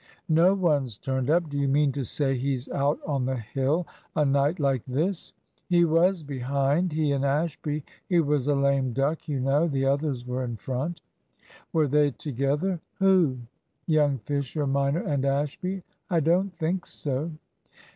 "No one's turned up. Do you mean to say he's out on the hill a night like this?" "He was behind he and Ashby. He was a lame duck, you know. The others were in front." "Were they together?" "Who? Young Fisher minor and Ashby? I don't think so."